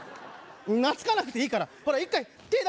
懐かなくていいから！ほら一回手出して。